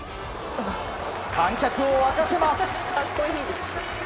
観客を沸かせます。